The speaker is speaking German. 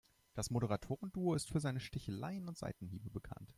Das Moderatoren-Duo ist für seine Sticheleien und Seitenhiebe bekannt.